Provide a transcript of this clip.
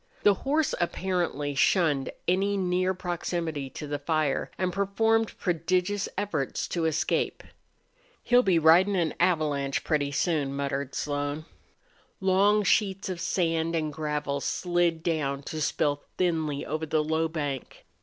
The horse apparently shunned any near proximity to the fire, and performed prodigious efforts to escape. "He'll be ridin' an avalanche pretty soon," muttered Slone. Long sheets of sand and gravel slid down to spill thinly over the low bank.